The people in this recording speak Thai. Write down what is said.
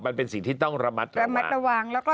มันเป็นสิ่งที่ต้องระมัดระวัง